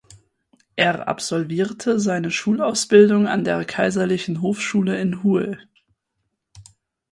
Er absolvierte seine Schulausbildung an der Kaiserlichen Hofschule in Hue.